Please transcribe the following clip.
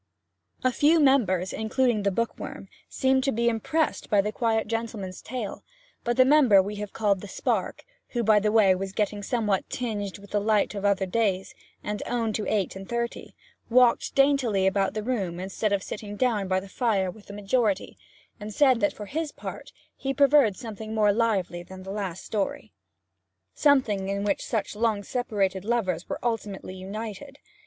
A few members, including the Bookworm, seemed to be impressed by the quiet gentleman's tale; but the member we have called the Spark who, by the way, was getting somewhat tinged with the light of other days, and owned to eight and thirty walked daintily about the room instead of sitting down by the fire with the majority and said that for his part he preferred something more lively than the last story something in which such long separated lovers were ultimately united.